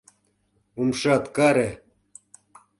Умшат каре!